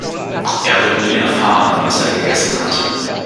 Er wird nie erfahren, was er gegessen hat.